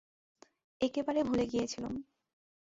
একেবারে ভুলে গিয়েছিলুম।